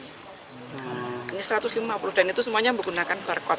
ini satu ratus lima puluh dan itu semuanya menggunakan barcode